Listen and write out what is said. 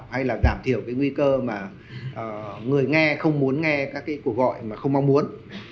hay là giảm thiểu cái nguy cơ mà người nghe không muốn nghe các cái cuộc gọi mà không mong muốn